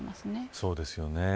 そうですよね。